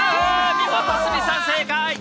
見事鷲見さん、正解！